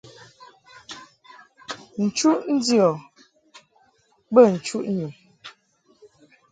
Nchuʼ ndiɔ bə nchuʼ nyum.